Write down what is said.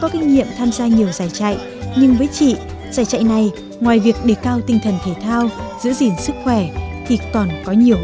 dù đã có kinh nghiệm tham gia nhiều giải chạy nhưng với chị giải chạy này ngoài việc đề cao tinh thần thể thao giữ gìn sức khỏe thì còn có nhiều ý nghĩa hơn thế